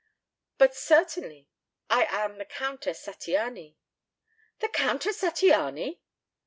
"But certainly. I am the Countess Zattiany." "The Countess Zattiany!"